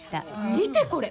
見てこれ。